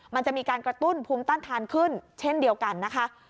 มันจะมีการกระตุ้นภูมิต้านทานขึ้นเช่นเดียวกันนะคะ